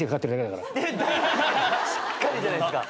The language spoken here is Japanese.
しっかりじゃないっすか。